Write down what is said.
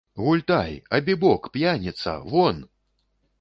Гультай, абібок, п'яніца, вон!